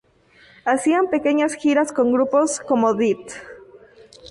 Hacían pequeñas giras con grupos como Death.